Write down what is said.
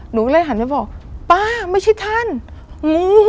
หนูก็เลยหันไปบอกป้าไม่ใช่ท่านงู